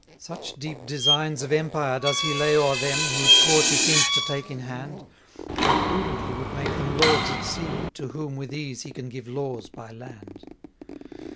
9 Such deep designs of empire does he lay O'er them, whose cause he seems to take in hand; And prudently would make them lords at sea, To whom with ease he can give laws by land.